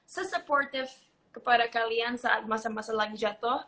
sese supportive kepada kalian saat masa masa lagi jatuh